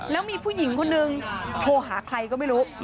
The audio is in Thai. แล้วมีผู้หญิงคนนึงโทรหาใครก็ไม่รู้